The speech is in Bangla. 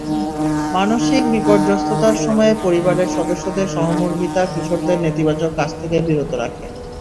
মানসিক বিপর্যস্ততার সময়ে পরিবারের সদস্যদের সহমর্মিতা কিশোরদের নেতিবাচক কাজ থেকে বিরত রাখে।